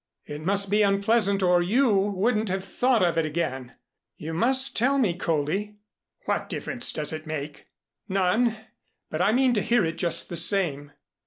It must be unpleasant or you wouldn't have thought of it again. You must tell me, Coley." "What difference does it make?" "None. But I mean to hear it just the same."